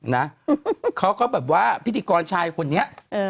นะเขาก็แบบว่าพิธีกรชายคนนี้